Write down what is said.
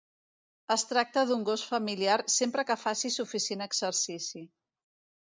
Es tracta d'un gos familiar sempre que faci suficient exercici.